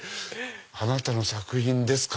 あなたの作品ですか？